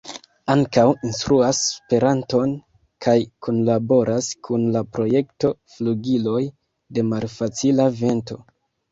Ankaŭ instruas Esperanton kaj kunlaboras kun la projekto Flugiloj de Malfacila Vento.